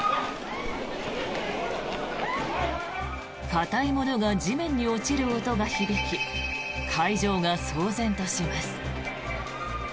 硬いものが地面に落ちる音が響き会場が騒然とします。